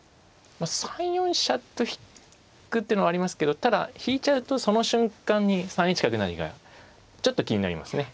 ３四飛車と引くってのはありますけどただ引いちゃうとその瞬間に３一角成がちょっと気になりますね。